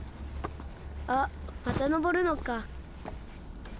あっまたのぼるのか。